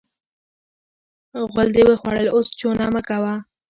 غول دې وخوړل؛ اوس چونه مه ورکوه.